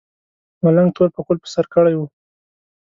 ملنګ تور پکول په سر کړی و.